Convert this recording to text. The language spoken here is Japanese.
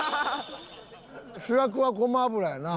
主役はごま油やな。